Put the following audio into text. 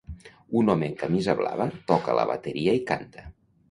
Un home amb camisa blava toca la bateria i canta